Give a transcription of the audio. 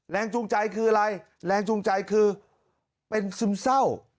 แรงจูงใจคืออะไรแรงจูงใจคือเป็นซึมเศร้า